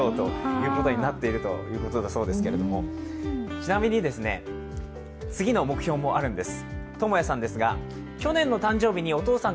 ちなみに次の目標もあるんです。